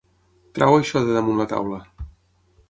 Treu això de damunt la taula.